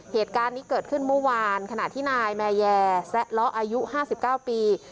เหตุการณ์นี้เกิดขึ้นเมื่อวานขณะที่นายแมแยแซะล้ออายุ๕๙ปี